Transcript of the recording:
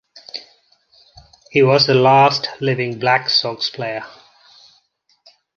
He was the last living Black Sox player.